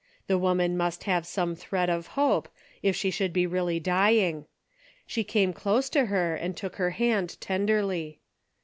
The woman must have some thread of hope, if she should be really dying. She c»me close to her and took her hand tenderly.